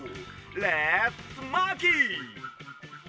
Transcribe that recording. レッツマーキー！